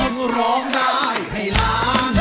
คุณร้องได้ให้ล้าน